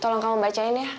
tolong kamu bacain ya